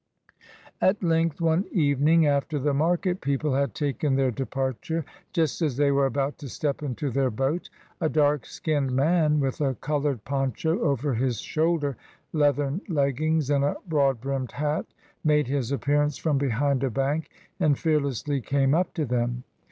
At length, one evening after the market people had taken their departure, just as they were about to step into their boat, a dark skinned man, with a coloured poncho over his shoulder, leathern leggings, and a broad brimmed hat, made his appearance from behind a bank, and fearlessly came up to them.